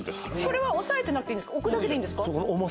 これは押さえてなくて置くだけでいいんですか？